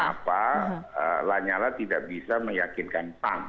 ya cuma kenapa lanya lah tidak bisa meyakinkan pan